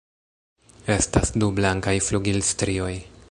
Estas du blankaj flugilstrioj.